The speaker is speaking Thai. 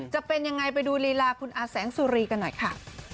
จะเป็นยังไงไปดูลีลาคุณอาแสงสุรีกันหน่อยค่ะ